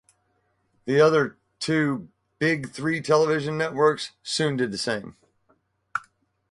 The other two Big Three television networks soon did the same.